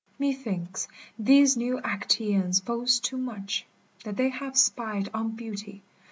Methinks these new Actaeons boast too soon That they have spied on beauty